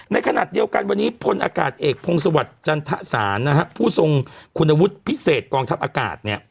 ในขณะเดียวกันวันนี้พลอากาศเอกพงศวรรค์จันทศาลนะฮะผู้ทรงคุณวุฒิพิเศษกองทัพอากาศเนี่ย